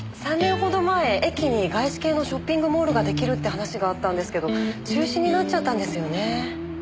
３年ほど前駅に外資系のショッピングモールが出来るって話があったんですけど中止になっちゃったんですよね。